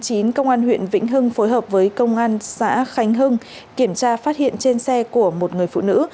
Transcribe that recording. ba tháng chín công an huyện vĩnh hưng phối hợp với công an xã khánh hưng kiểm tra phát hiện trên xe của một người phụ nữ